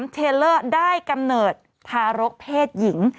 เทลเลอร์ได้กำเนิดทารกเพศหญิง